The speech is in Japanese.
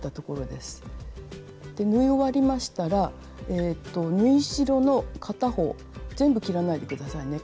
で縫い終わりましたら縫い代の片方全部切らないで下さいね。